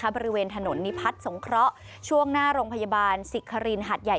บริเวณถนนนิพัฒน์สงเคราะห์ช่วงหน้าโรงพยาบาลศิกครินหัดใหญ่